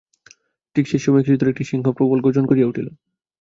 ঠিক সেই সময়েই কিছুদূরে একটি সিংহ প্রবল গর্জন করিয়া উঠিল।